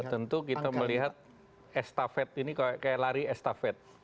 tentu kita melihat estafet ini kayak lari estafet